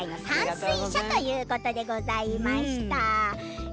散水車ということでございました。